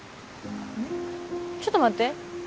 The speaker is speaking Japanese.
ちょっと待って。